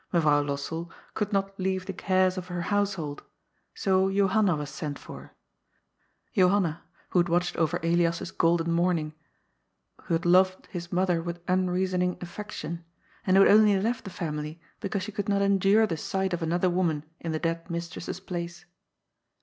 Mevrouw Lossell could not leave the cares of her household, so Jo hanna was sent for — Johanna, who had watched over Elias's golden morning, who had loved his mother with unreason ing affection, and who had only left the family because she could not endure the sight of another woman in the dead mistress's place.